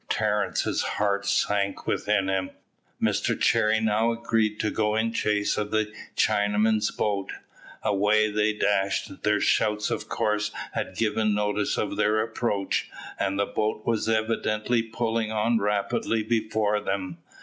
Terence's heart sank within him. Mr Cherry now agreed to go in chase of the Chinamen's boat. Away they dashed; their shouts of course had given notice of their approach, and the boat was evidently pulling on rapidly before them.